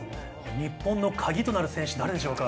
日本のカギとなる選手は誰でしょうか？